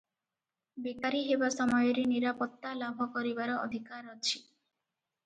ବେକାରି ହେବା ସମୟରେ ନିରାପତ୍ତା ଲାଭ କରିବାର ଅଧିକାର ଅଛି ।